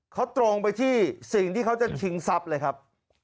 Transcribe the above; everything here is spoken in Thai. เขาตรงไปที่สิ่งที่เขาจะชิงทรัพย์เลยครับ